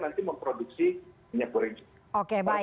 nanti memproduksi minyak goreng juga